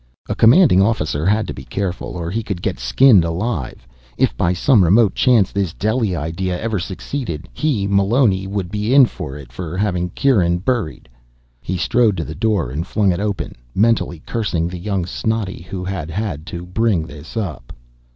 A commanding officer had to be careful, or he could get skinned alive. If, by some remote chance, this Delhi idea ever succeeded, he, Meloni, would be in for it for having Kieran buried. He strode to the door and flung it open, mentally cursing the young snotty who had had to bring this up.